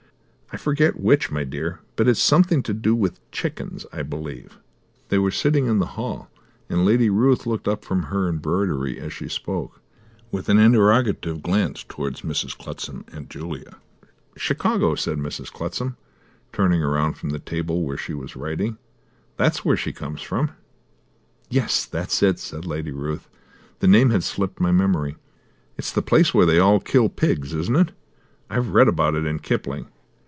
"I forget which, my dear, but it's something to do with chickens, I believe." They were sitting in the hall, and Lady Ruth looked up from her embroidery as she spoke, with art interrogative glance towards Mrs. Clutsam and Julia. "Chicago," said Mrs. Clutsam, turning round from the table where she was writing. "That's where she comes from." "Yes, that's it," said Lady Ruth; "the name had slipped my memory. It's the place where they all kill pigs, isn't it? I've read about it in Kipling.